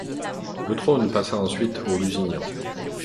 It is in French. Le trône passa ensuite aux Lusignan.